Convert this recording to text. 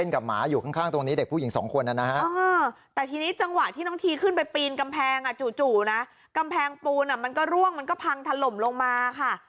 กำแพงอ่ะจู่นะกำแพงปูน่ะมันก็ร่วงมันก็พังทะลมลงมาค่ะ